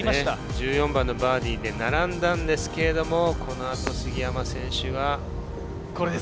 １４番のバーディーで並んだんですけれど、この後、杉山選手が。